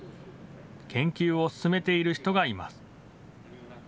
研究を進めている人がいます。